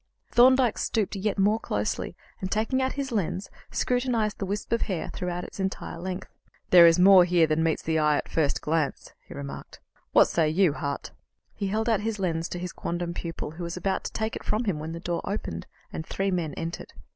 Thorndyke stooped yet more closely, and, taking out his lens, scrutinized the wisp of hair throughout its entire length. "There is more here than meets the eye at the first glance," he remarked. "What say you, Hart?" He held out his lens to his quondam pupil, who was about to take it from him when the door opened, and three men entered.